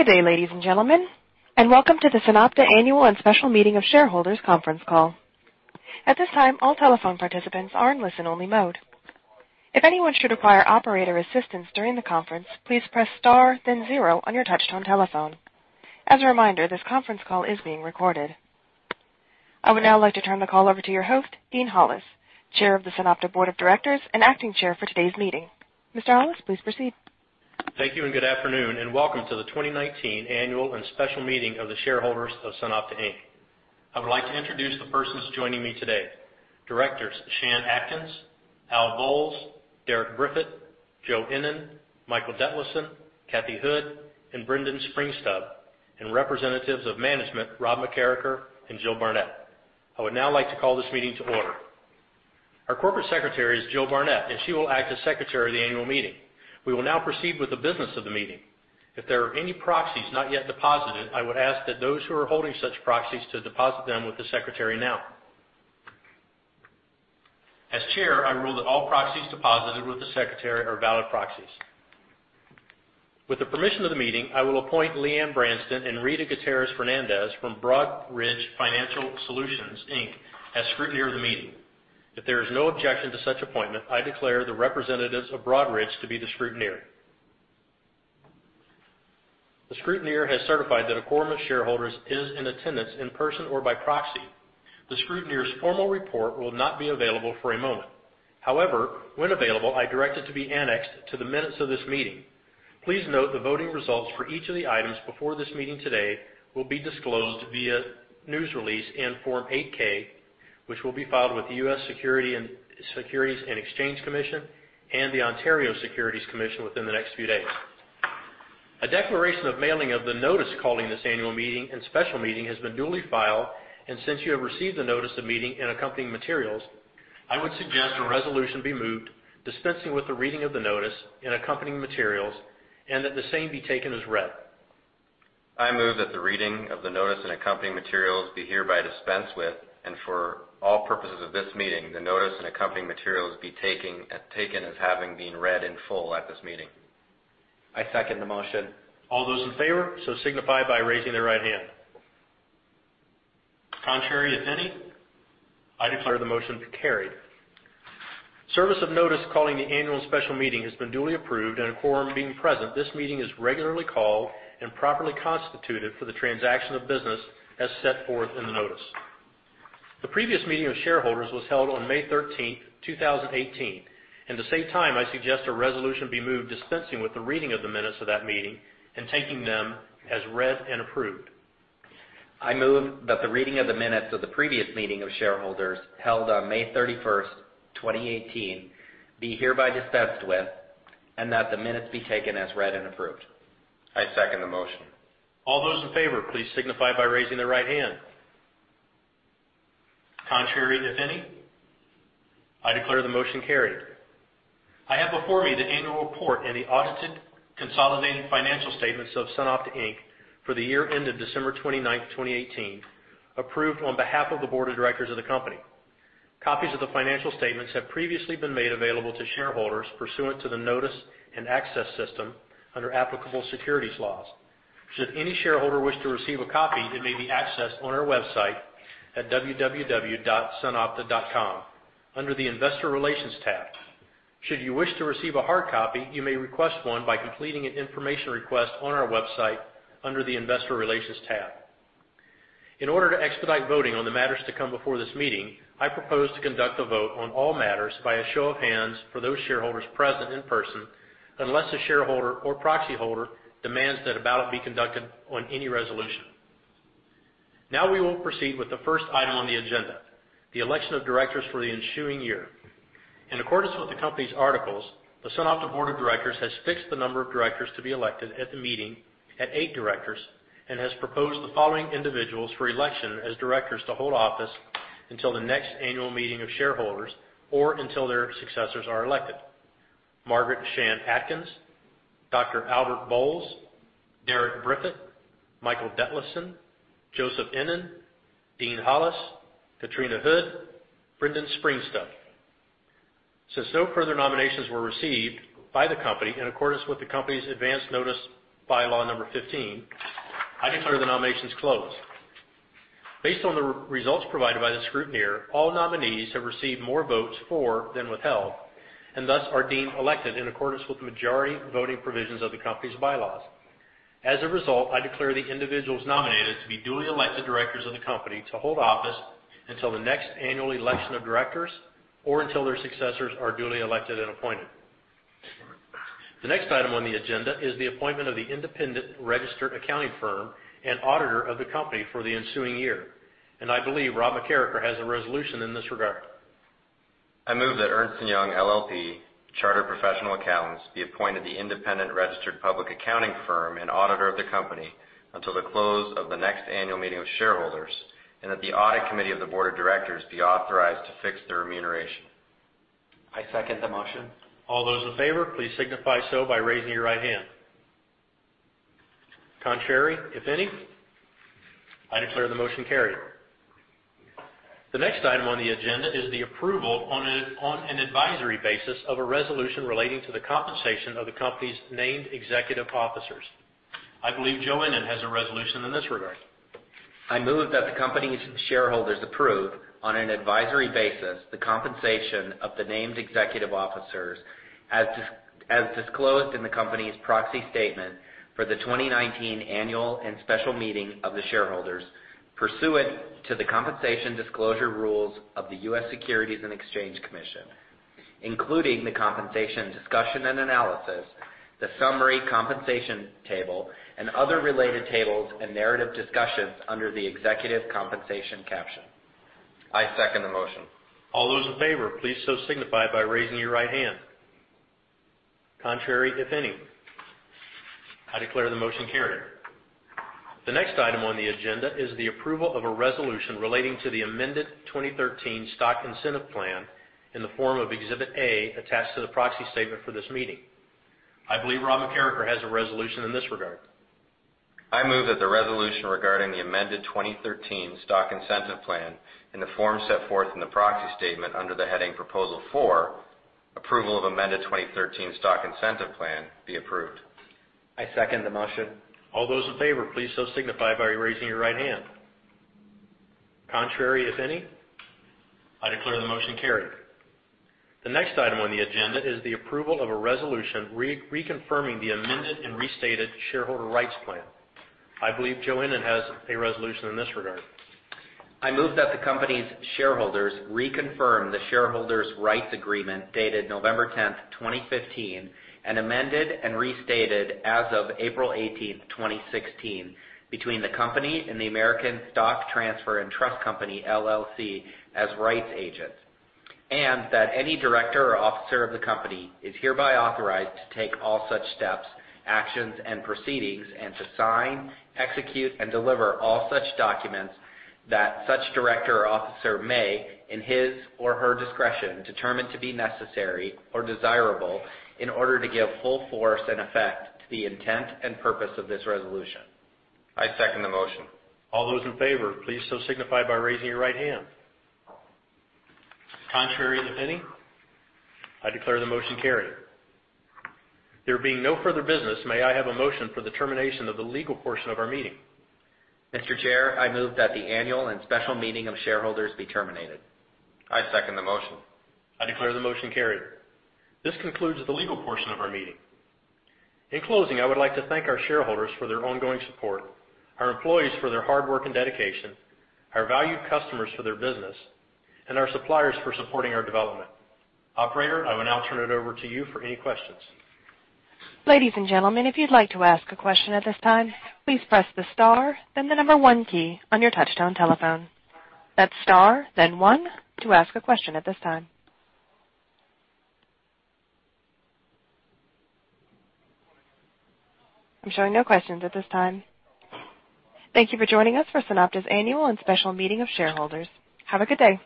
Good day, ladies and gentlemen, and welcome to the SunOpta Annual and Special Meeting of Shareholders Conference Call. At this time, all telephone participants are in listen-only mode. If anyone should require operator assistance during the conference, please press star then zero on your touchtone telephone. As a reminder, this conference call is being recorded. I would now like to turn the call over to your host, Dean Hollis, Chair of the SunOpta Board of Directors and acting Chair for today's meeting. Mr. Hollis, please proceed. Thank you. Good afternoon, and welcome to the 2019 Annual and Special Meeting of the Shareholders of SunOpta Inc. I would like to introduce the persons joining me today, Directors Shan Atkins, Al Bowles, Derek Briffett, Joe Ennen, Michael Detlefsen, Kathy Hood, and Brendan Springstubb, and representatives of management, Rob McCarragher and Jill Barnett. I would now like to call this meeting to order. Our corporate secretary is Jill Barnett. She will act as secretary of the annual meeting. We will now proceed with the business of the meeting. If there are any proxies not yet deposited, I would ask that those who are holding such proxies to deposit them with the secretary now. As Chair, I rule that all proxies deposited with the secretary are valid proxies. With the permission of the meeting, I will appoint Leanne Branston and Rita Gutierrez Fernandez from Broadridge Financial Solutions, Inc. as scrutineer of the meeting. If there is no objection to such appointment, I declare the representatives of Broadridge to be the scrutineer. The scrutineer has certified that a quorum of shareholders is in attendance in person or by proxy. The scrutineer's formal report will not be available for a moment. However, when available, I direct it to be annexed to the minutes of this meeting. Please note the voting results for each of the items before this meeting today will be disclosed via news release in Form 8-K, which will be filed with the U.S. Securities and Exchange Commission and the Ontario Securities Commission within the next few days. A declaration of mailing of the notice calling this annual meeting and special meeting has been duly filed. Since you have received the notice of meeting and accompanying materials, I would suggest a resolution be moved dispensing with the reading of the notice and accompanying materials, that the same be taken as read. I move that the reading of the notice and accompanying materials be hereby dispensed with, and for all purposes of this meeting, the notice and accompanying materials be taken as having been read in full at this meeting. I second the motion. All those in favor so signify by raising their right hand. Contrary, if any. I declare the motion carried. Service of notice calling the annual and special meeting has been duly approved, and a quorum being present, this meeting is regularly called and properly constituted for the transaction of business as set forth in the notice. The previous meeting of shareholders was held on May 13, 2018. At the same time, I suggest a resolution be moved dispensing with the reading of the minutes of that meeting and taking them as read and approved. I move that the reading of the minutes of the previous meeting of shareholders held on May 31st, 2018, be hereby dispensed with and that the minutes be taken as read and approved. I second the motion. All those in favor, please signify by raising their right hand. Contrary, if any. I declare the motion carried. I have before me the annual report and the audited consolidated financial statements of SunOpta Inc. for the year ended December 29th, 2018, approved on behalf of the board of directors of the company. Copies of the financial statements have previously been made available to shareholders pursuant to the notice and access system under applicable securities laws. Should any shareholder wish to receive a copy, it may be accessed on our website at www.sunopta.com under the investor relations tab. Should you wish to receive a hard copy, you may request one by completing an information request on our website under the investor relations tab. In order to expedite voting on the matters to come before this meeting, I propose to conduct a vote on all matters by a show of hands for those shareholders present in person, unless the shareholder or proxy holder demands that a ballot be conducted on any resolution. Now we will proceed with the first item on the agenda, the election of directors for the ensuing year. In accordance with the company's articles, the SunOpta board of directors has fixed the number of directors to be elected at the meeting at eight directors and has proposed the following individuals for election as directors to hold office until the next annual meeting of shareholders or until their successors are elected. Margaret Shan Atkins, Dr. Albert Bowles, Derek Briffett, Michael Detlefsen, Joseph Ennen, Dean Hollis, Katrina Houde, Brendan Springstubb. Since no further nominations were received by the company in accordance with the company's Advance Notice By-Law number 15, I declare the nominations closed. Based on the results provided by the scrutineer, all nominees have received more votes for than withheld and thus are deemed elected in accordance with the majority voting provisions of the company's bylaws. As a result, I declare the individuals nominated to be duly elected directors of the company to hold office until the next annual election of directors or until their successors are duly elected and appointed. The next item on the agenda is the appointment of the independent registered accounting firm and auditor of the company for the ensuing year. I believe Rob McCarragher has a resolution in this regard. I move that Ernst & Young LLP, chartered professional accountants, be appointed the independent registered public accounting firm and auditor of the company until the close of the next annual meeting of shareholders, and that the audit committee of the board of directors be authorized to fix their remuneration. I second the motion. All those in favor, please signify so by raising your right hand. Contrary, if any. I declare the motion carried. The next item on the agenda is the approval on an advisory basis of a resolution relating to the compensation of the company's named executive officers. I believe Joe Ennen has a resolution in this regard. I move that the company's shareholders approve, on an advisory basis, the compensation of the named executive officers as disclosed in the company's proxy statement for the 2019 annual and special meeting of the shareholders pursuant to the compensation disclosure rules of the U.S. Securities and Exchange Commission, including the compensation discussion and analysis, the summary compensation table, and other related tables and narrative discussions under the executive compensation caption. I second the motion. All those in favor, please so signify by raising your right hand. Contrary, if any. I declare the motion carried. The next item on the agenda is the approval of a resolution relating to the amended 2013 stock incentive plan in the form of Exhibit A attached to the proxy statement for this meeting. I believe Rob McCarragher has a resolution in this regard. I move that the resolution regarding the amended 2013 stock incentive plan in the form set forth in the proxy statement under the heading Proposal four, approval of amended 2013 stock incentive plan, be approved. I second the motion. All those in favor, please so signify by raising your right hand. Contrary, if any. I declare the motion carried. The next item on the agenda is the approval of a resolution reconfirming the amended and restated shareholder rights plan. I believe Joe Ennen has a resolution in this regard. I move that the company's shareholders reconfirm the shareholders' rights agreement dated November 10th, 2015, and amended and restated as of April 18th, 2016, between the company and the American Stock Transfer & Trust Company, LLC as rights agent, and that any director or officer of the company is hereby authorized to take all such steps, actions, and proceedings and to sign, execute, and deliver all such documents that such director or officer may, in his or her discretion, determine to be necessary or desirable in order to give full force and effect to the intent and purpose of this resolution. I second the motion. All those in favor, please so signify by raising your right hand. Contrary, if any. I declare the motion carried. There being no further business, may I have a motion for the termination of the legal portion of our meeting? Mr. Chair, I move that the annual and special meeting of shareholders be terminated. I second the motion. I declare the motion carried. This concludes the legal portion of our meeting. In closing, I would like to thank our shareholders for their ongoing support, our employees for their hard work and dedication, our valued customers for their business, and our suppliers for supporting our development. Operator, I will now turn it over to you for any questions. Ladies and gentlemen, if you'd like to ask a question at this time, please press the star then the number one key on your touch-tone telephone. That's star then one to ask a question at this time. I'm showing no questions at this time. Thank you for joining us for SunOpta's annual and special meeting of shareholders. Have a good day.